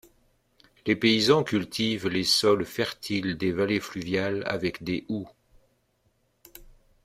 Les paysans cultivent les sols fertiles des vallées fluviales avec des houes.